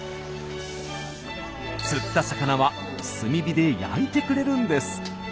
釣った魚は炭火で焼いてくれるんです。